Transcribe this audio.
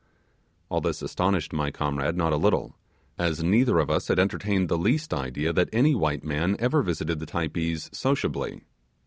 All this astonished my comrade not a little, as neither of us had entertained the least idea that any white man ever visited the Typees sociably.